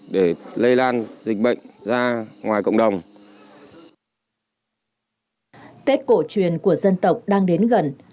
tết lây lan dịch bệnh ra ngoài cộng đồng tết cổ truyền của dân tộc đang đến gần